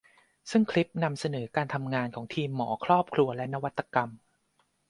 ซึ่งคลิปนำเสนอการทำงานของทีมหมอครอบครัวและนวัตกรรม